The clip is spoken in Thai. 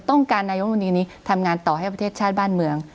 นายกมนตรีนี้ทำงานต่อให้ประเทศชาติบ้านเมือง